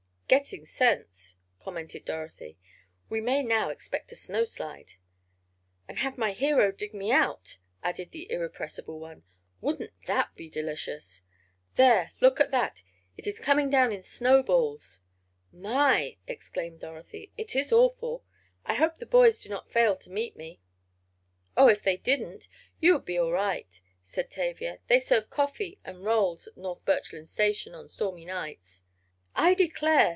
"Getting sense," commented Dorothy. "We may now expect a snowslide." "And have my hero dig me out," added the irrepressible one. "Wouldn't that be delicious! There! Look at that! It is coming down in snowballs!" "My!" exclaimed Dorothy, "it is awful! I hope the boys do not fail to meet me." "Oh, if they didn't, you would be all right," said Tavia. "They serve coffee and rolls at North Birchland Station on stormy nights." "I declare!"